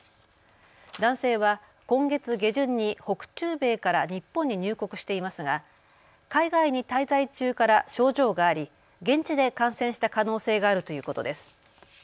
男性は今月下旬に北中米から日本に入国していますが海外に滞在中から症状があり現地で感染した可能性があるということです。